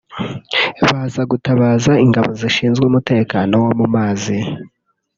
baza gutabaza ingabo zishinzwe umutekano wo mu mazi